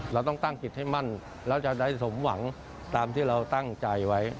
เราต้องตั้งจิตให้มั่นแล้วจะได้สมหวังตามที่เราตั้งใจไว้